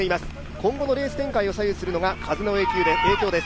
今後のレース展開を左右するのが風の状況です。